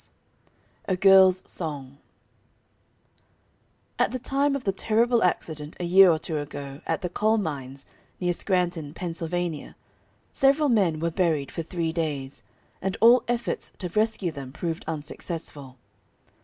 _"] A GIRL'S SONG At the time of the terrible accident a year or two ago at the coal mines near Scranton, Penn., several men were buried for three days, and all efforts to rescue them proved unsuccessful.